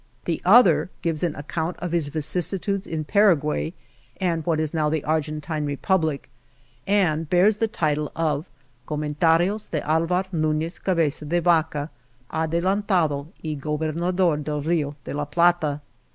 The other gives an account of his vicissitudes in Paraguay and what is now the Argentine Republic, and bears the title of Comentarios de Alvar N lines Cabeza de VacU, Adelantado y Gob xiii INTRODUCTION ernador del Rio de la Plata.